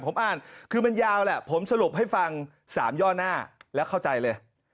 ผมอ่านคือมันยาวแหละผมสรุปให้ฟัง๓ย่อหน้าแล้วเข้าใจเลย